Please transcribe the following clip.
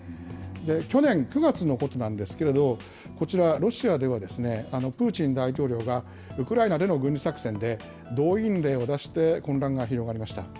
去年９月のことなんですけれど、こちら、ロシアではプーチン大統領がウクライナでの軍事作戦で動員令を出して混乱が広がりました。